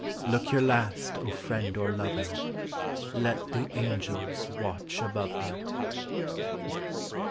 Look your last, O friend or lover. Let the angels watch above her